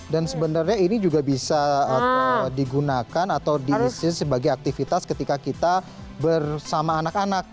dan sebenarnya ini juga bisa atau digunakan atau disis sebagai aktivitas ketika kita bersama anak anak